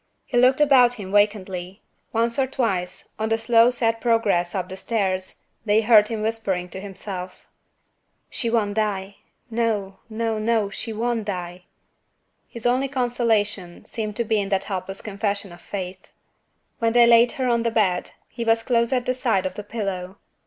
He looked about him vacantly. Once or twice, on the slow sad progress up the stairs, they heard him whispering to himself, "She won't die no, no, no; she won't die." His only consolation seemed to be in that helpless confession of faith. When they laid her on the bed, he was close at the side of the pillow.